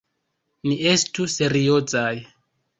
Ni estu seriozaj.